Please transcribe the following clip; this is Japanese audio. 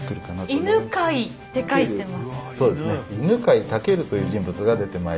犬飼武という人物が出てまいります。